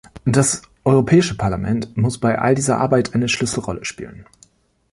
Das Europäische Parlament muss bei all dieser Arbeit eine Schlüsselrolle spielen.